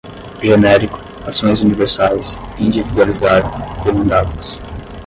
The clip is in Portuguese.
genérico, ações universais, individualizar, demandados